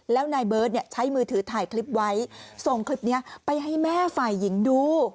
แล้วนายเบิร์ตใช้มือถือถ่ายคลิปไว้ส่งคลิปนี้ไปให้แม่ฝ่ายหญิงดู